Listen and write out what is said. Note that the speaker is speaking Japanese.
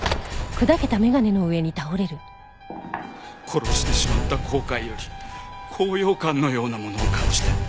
殺してしまった後悔より高揚感のようなものを感じて。